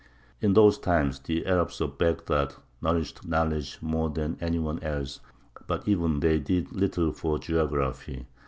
In those times the Arabs of Bagdad nourished knowledge more than any one else, but even they did little for geography.